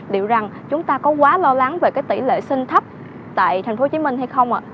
liệu rằng chúng ta có quá lo lắng về cái tỷ lệ sinh thấp tại tp hcm hay không ạ